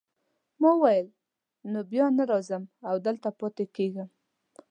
ما وویل نو بیا نه ځم او دلته پاتې کیږم.